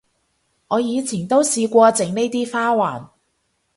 我以前都試過整呢啲花環